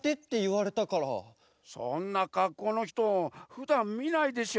そんなかっこうのひとふだんみないでしょ？